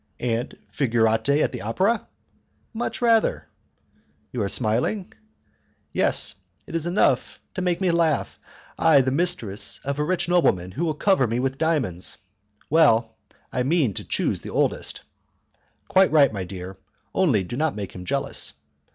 "And 'figurante' at the opera?" "Much rather." "You are smiling?" "Yes, for it is enough to make me laugh. I the mistress of a rich nobleman, who will cover me with diamonds! Well, I mean to choose the oldest." "Quite right, my dear; only do not make him jealous."